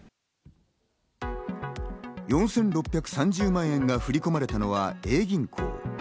４６３０万円が振り込まれたのはＡ銀行。